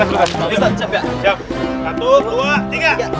aduh pak d